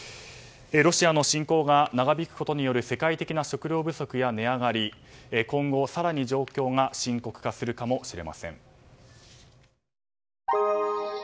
ロシアの侵攻が長引くことによる世界的な食糧不足や値上がりは今後更に状況が深刻化するかもしれません。